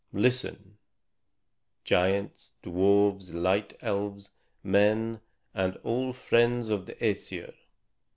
Listen, Giants, Dwarfs, Light Elves, Men, and all friends of the Æsir!